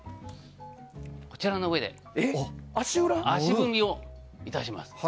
こちらの上で足踏みをいたします。